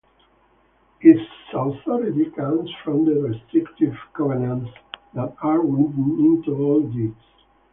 Its authority comes from the restrictive covenants that are written into all deeds.